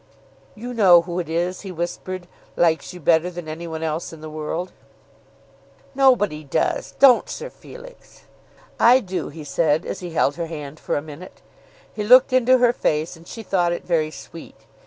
"You know who it is," he whispered, "likes you better than any one else in the world." "Nobody does; don't, Sir Felix." "I do," he said as he held her hand for a minute. He looked into her face and she thought it very sweet.